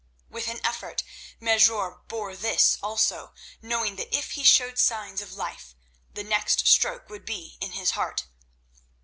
With an effort Mesrour bore this also, knowing that if he showed signs of life the next stroke would be in his heart.